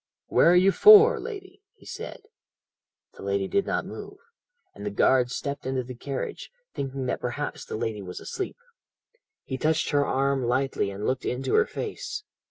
"'Where are you for, lady?' he said. "The lady did not move, and the guard stepped into the carriage, thinking that perhaps the lady was asleep. He touched her arm lightly and looked into her face.